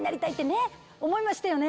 ねっ？思いましたよね！